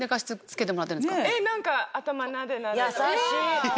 ・優しい！